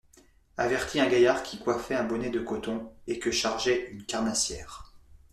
Avertit un gaillard que coiffait un bonnet de coton, et que chargeait une carnassière.